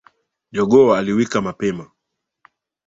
Jogoo aliwika mapema